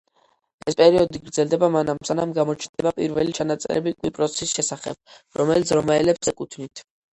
ეს პერიოდი გრძელდება მანამ, სანამ გამოჩნდება პირველი ჩანაწერები კვიპროსის შესახებ, რომელიც რომაელებს ეკუთვნით.